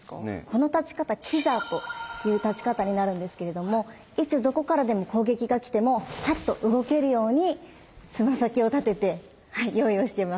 この立ち方「跪座」という立ち方になるんですけれどもいつどこからでも攻撃がきてもパッと動けるようにつま先を立てて用意をしてます。